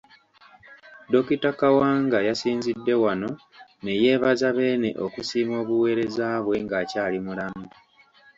Dokita Kawanga yasinzidde wano neyeebaza Beene okusiima obuweereza bwe ng'akyali mulamu.